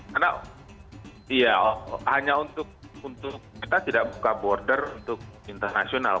karena hanya untuk kita tidak buka border untuk internasional